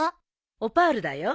オパールだよ。